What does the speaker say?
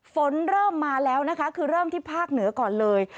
ฝนเริ่มมาแล้วนะคะคือเริ่มที่ภาคเหนือก่อนเลย